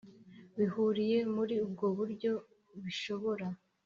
Bihuriye Muri Ubwo Buryo Bishobora